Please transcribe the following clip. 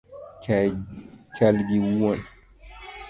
Chal gi wuon